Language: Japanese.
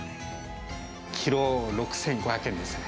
キロ６５００円ですかね。